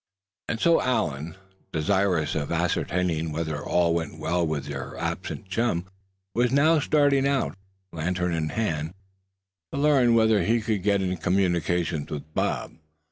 And so Allan, desirous of ascertaining whether all went well with the absent chum, was now starting out, lantern in hand, to learn whether he could get in communication with Bob.